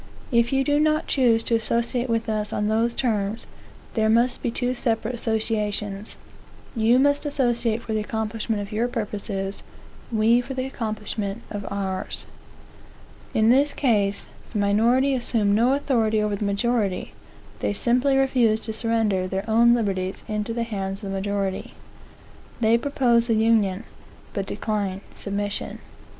If you do not choose to associate with us on those terms, there must be two separate associations. You must associate for the accomplishment of your purposes; we for the accomplishment of ours." In this case, the minority assume no authority over the majority; they simply refuse to surrender their own liberties into the hands of the majority. They propose a union; but decline submission.